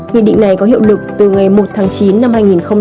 nghị định này có hiệu lực từ ngày một tháng chín năm hai nghìn hai mươi